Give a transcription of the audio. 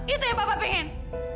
itu yang papa pengen